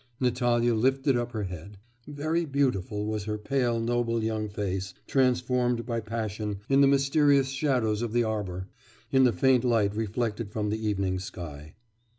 Natalya lifted up her head. Very beautiful was her pale, noble, young face, transformed by passion, in the mysterious shadows of the arbour, in the faint light reflected from the evening sky.